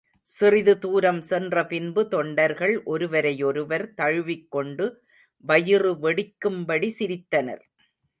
சிறிது தூரம் சென்ற பின்பு தொண்டர்கள் ஒருவரையொருவர் தழுவிக் கொண்டு வயிறு வெடிக்கும்படி சிரித்தனர்.